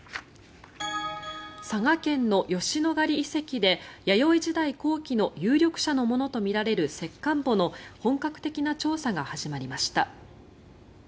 佐賀県の吉野ヶ里遺跡で弥生時代後期の有力者のものとみられる石棺墓の本格的な調査が始まりました。